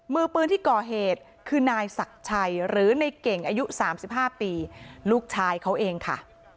มือปืนที่ก่อเหตุคือนายศักดิ์ชัยหรือในเก่งอายุ๓๕ปีลูกชายเขาเองค่ะ